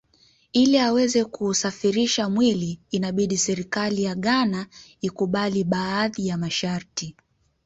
Ili aweze kuusafirisha mwili inabidi serikali ya Ghana ikubali baadhi ya masharti